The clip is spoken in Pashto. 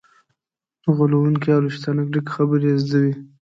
غولونکې او له شیطانت ډکې خبرې یې زده وي.